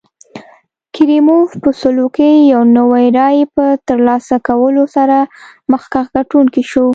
کریموف په سلو کې یو نوي رایې په ترلاسه کولو سره مخکښ ګټونکی شو.